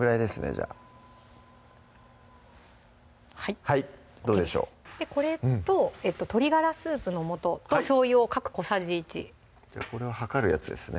じゃあはいどうでしょうでこれと鶏ガラスープの素としょうゆを各小さじ１じゃあこれは量るやつですね